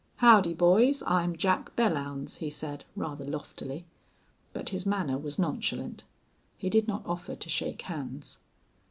"Howdy, boys! I'm Jack Belllounds," he said, rather loftily. But his manner was nonchalant. He did not offer to shake hands.